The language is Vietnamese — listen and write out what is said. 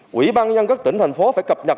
quỹ ban nhân các tỉnh thành phố phải cập nhật